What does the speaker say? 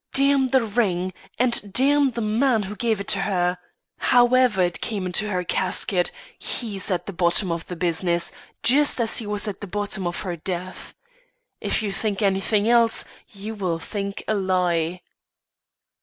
"Damn the ring, and damn the man who gave it to her! However it came into her casket, he's at the bottom of the business, just as he was at the bottom of her death. If you think anything else, you will think a lie."